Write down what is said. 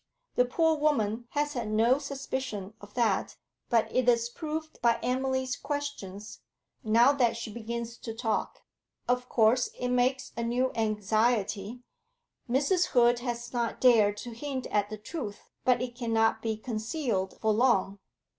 The poor woman has had no suspicion of that; but it is proved by Emily's questions, now that she begins to talk. Of course it makes a new anxiety. Mrs. Hood has not dared to hint at the truth, but it cannot be concealed for long.'